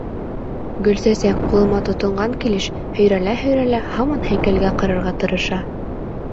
Гөлсәсәк, ҡулыма тотонған килеш, һөйрәлә-һөйрәлә һаман һәйкәлгә ҡарарға тырыша.